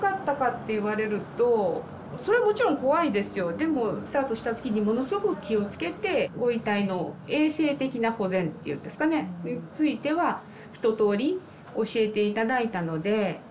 でもスタートした時にものすごく気を付けてご遺体の衛生的な保全っていうんですかねについては一とおり教えて頂いたので。